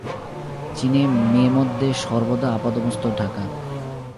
চীনে মেয়ে-মদ্দে সর্বদা আপাদমস্তক ঢাকা।